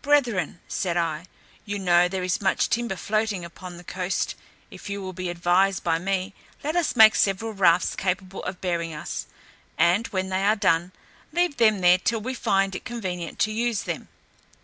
"Brethren," said I, "you know there is much timber floating upon the coast; if you will be advised by me, let us make several rafts capable of bearing us, and when they are done, leave them there till we find it convenient to use them.